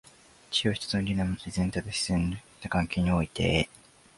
知識は一つの理念のもとに、全体と部分の必然的な関係において、